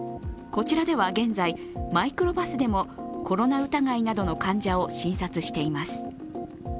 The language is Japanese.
こちらでは現在、マイクロバスでもコロナ疑いなどの患者を診察しています。